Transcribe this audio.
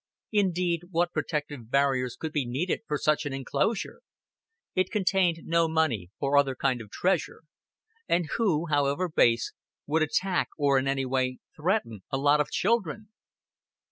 Indeed, what protective barriers could be needed for such an enclosure? It contained no money or other kind of treasure; and who, however base, would attack or in any way threaten a lot of children?